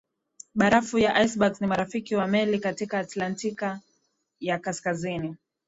barafu ya icebergs ni marafiki wa meli katika atlantiki ya kasikazini